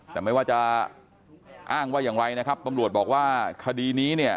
แต่ไม่ว่าจะอ้างว่าอย่างไรนะครับตำรวจบอกว่าคดีนี้เนี่ย